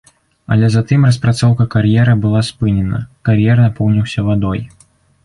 Але затым распрацоўка кар'ера была спынена, кар'ер напоўніўся вадой.